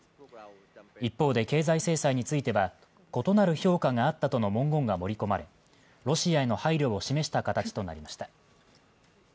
一方で、経済制裁については、異なる評価があったとの文言が盛り込まれ、ロシアへの配慮を示した形となりました。